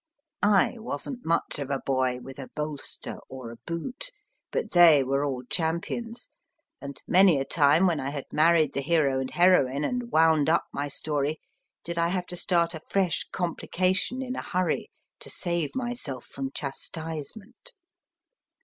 I wasn t much of a boy with a bolster or a boot, but they were all champions, and many a time when I had married the hero and heroine and wound up my story did I have to start a fresh complication in a hurry THE LIBRARY 8 4 MY FIRST BOOK to save myself from chastisement.